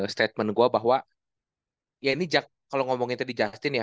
statement gue bahwa ya ini kalau ngomongin tadi justin ya